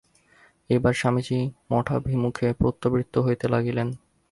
এইবার স্বামীজী মঠাভিমুখে প্রত্যাবৃত্ত হইতে লাগিলেন।